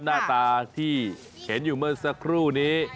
หน้าตาที่เห็นอยู่เมื่อสักครู่นี้